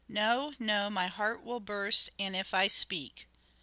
No, no, my heart will burst an if I speak."